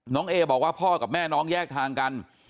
เอบอกว่าพ่อกับแม่น้องแยกทางกัน